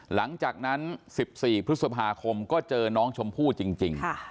หลังจากนั้น๑๔พฤษภาคมก็เจอน้องชมพู่จริง